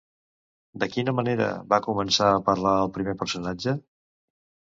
De quina manera va començar a parlar el primer personatge?